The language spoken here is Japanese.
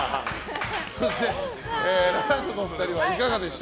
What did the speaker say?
そして、ラランドのお二人はいかがでした？